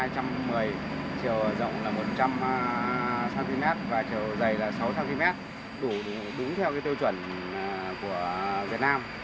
chiều rộng là một trăm linh cm và chiều dày là sáu cm đúng theo tiêu chuẩn của việt nam